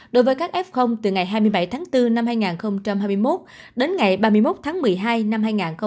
đối với các f từ ngày hai mươi bảy tháng bốn năm hai nghìn hai mươi một đến ngày ba mươi một tháng một mươi hai năm hai nghìn hai mươi ba